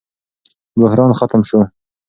بحران ختم شو.